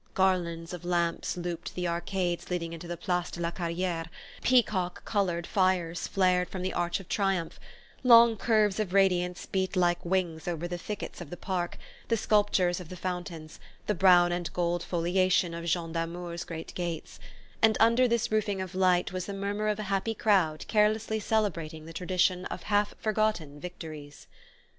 Garlands of lamps looped the arcades leading into the Place de la Carriere, peacock coloured fires flared from the Arch of Triumph, long curves of radiance beat like wings over the thickets of the park, the sculptures of the fountains, the brown and gold foliation of Jean Damour's great gates; and under this roofing of light was the murmur of a happy crowd carelessly celebrating the tradition of half forgotten victories.